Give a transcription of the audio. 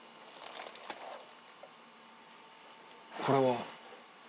これは？